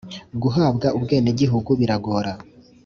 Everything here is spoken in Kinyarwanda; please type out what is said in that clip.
Guhabwa ubwene gihugu biragora